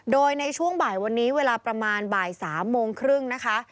โดยในช่วงบ่ายวันนี้เวลาประมาณบ่าย๓โมงครึ่งนะคะ